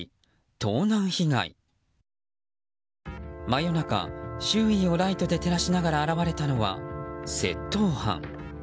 真夜中周囲をライトで照らしながら現れたのは窃盗犯。